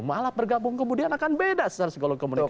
mualaf bergabung kemudian akan beda secara psikologi komunikasi